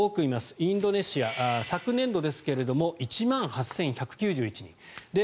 インドネシア、昨年度ですが１万８１９１人です。